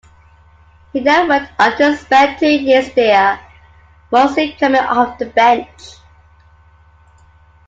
He then went on to spend two years there, mostly coming off the bench.